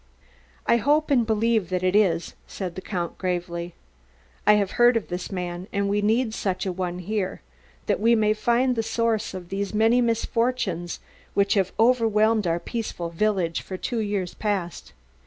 "I hope and believe that it is," said the Count gravely. "I have heard of this man and we need such a one here that we may find the source of these many misfortunes which have overwhelmed our peaceful village for two years past.